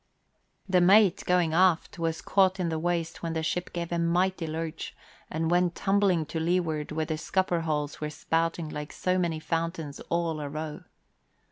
The mate, going aft, was caught in the waist when the ship gave a mighty lurch, and went tumbling to lee ward where the scupper holes were spouting like so many fountains all a row.